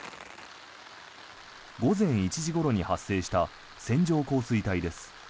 午前１時ごろに発生した線状降水帯です。